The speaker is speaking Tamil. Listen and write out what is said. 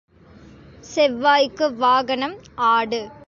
செவ்வாய்க்கு வாகனம் ஆடு.